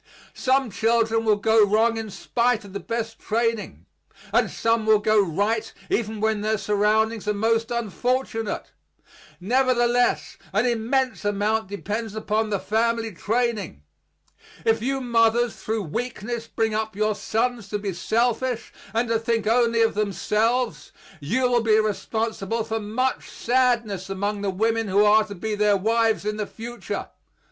Some children will go wrong in spite of the best training; and some will go right even when their surroundings are most unfortunate; nevertheless an immense amount depends upon the family training. If you mothers through weakness bring up your sons to be selfish and to think only of themselves, you will be responsible for much sadness among the women who are to be their wives in the future.